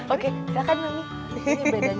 oke silahkan mami